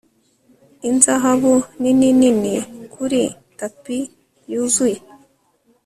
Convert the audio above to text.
Inzahabu nini nini kuri tapi yuzuye